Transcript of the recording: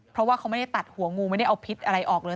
เพราะว่าเขาไม่ได้ตัดหัวงูไม่ได้เอาพิษอะไรออกเลย